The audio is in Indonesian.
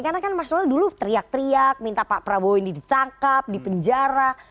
karena kan mas noel dulu teriak teriak minta pak prabowo ini ditangkap dipenjara